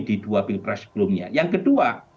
di dua pilpres sebelumnya yang kedua